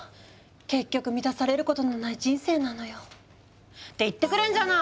結局満たされることのない人生なのよ。って言ってくれんじゃない！